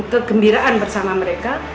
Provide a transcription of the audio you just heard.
kegembiraan bersama mereka